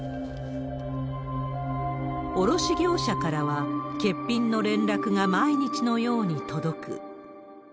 卸業者からは、欠品の連絡が毎日のように届く。